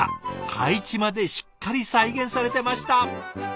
配置までしっかり再現されてました。